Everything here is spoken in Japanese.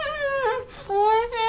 おいしい！